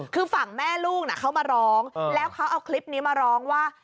คือฝั่งแม่ลูกเขามาร้องแล้วเขาเอาคลิปนี้มาร้องว่า